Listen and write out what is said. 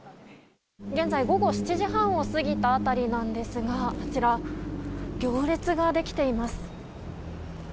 現在、午後７時半を過ぎた辺りですが行列ができています。